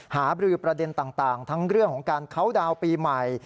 บรือประเด็นต่างทั้งเรื่องของการเคาน์ดาวน์ปีใหม่